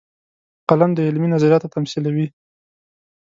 قلم د علمي نظریاتو تمثیلوي